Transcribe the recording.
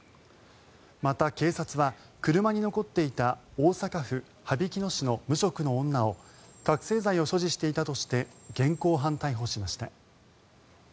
また、警察は、車に残っていた大阪府羽曳野市の無職の女を覚醒剤を所持していたとして現行犯逮捕しました。